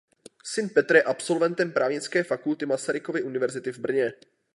Syn Petr je absolventem Právnické fakulty Masarykovy univerzity v Brně.